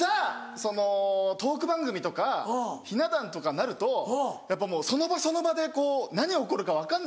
そのトーク番組とかひな壇とかなるとやっぱもうその場その場で何起こるか分かんないんで。